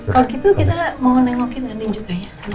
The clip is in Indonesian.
kalau gitu kita mau nengokin nenek juga ya